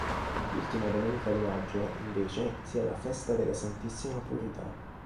L'ultima domenica di maggio, invece, si ha la festa della santissima Purità.